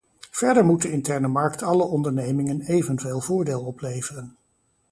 Verder moet de interne markt alle ondernemingen evenveel voordeel opleveren.